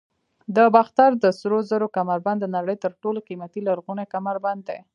د باختر د سرو زرو کمربند د نړۍ تر ټولو قیمتي لرغونی کمربند دی